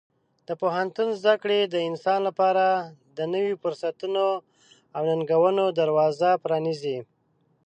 د پوهنتون زده کړې د انسان لپاره د نوي فرصتونو او ننګونو دروازه پرانیزي.